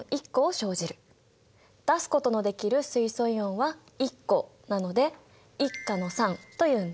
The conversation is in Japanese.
出すことのできる水素イオンは１個なので１価の酸というんだ。